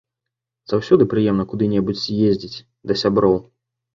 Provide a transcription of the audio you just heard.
Заўсёды прыемна куды-небудзь з'ездзіць да сяброў.